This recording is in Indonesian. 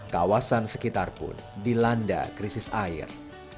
kawasan sekitar pun dilanda krisis air